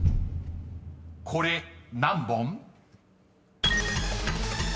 ［これ何本？］